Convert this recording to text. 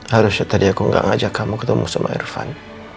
harusnya tadi aku gak ngajak kamu ketemu sama irfan